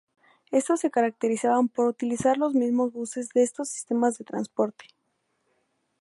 Estos se caracterizaban por utilizar los mismos buses de estos sistemas de transporte.